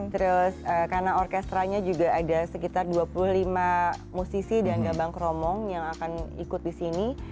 terus karena orkestranya juga ada sekitar dua puluh lima musisi dan gabang keromong yang akan ikut di sini